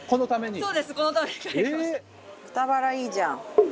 豚バラいいじゃん。